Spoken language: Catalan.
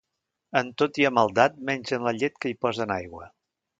En tot hi ha maldat menys en la llet que hi posen aigua.